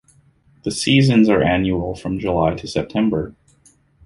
The seasons are annual from July to September.